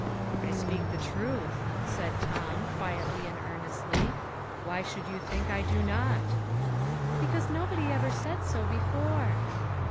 "I speak the truth," said Tom, quietly and earnestly. "Why should you think I do not?" "Because nobody ever said so before."